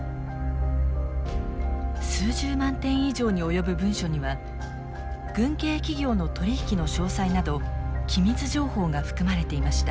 数十万点以上に及ぶ文書には軍系企業の取り引きの詳細など機密情報が含まれていました。